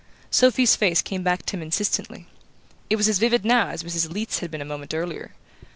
Sophy's face came back to him insistently. It was as vivid now as Mrs. Leath's had been a moment earlier.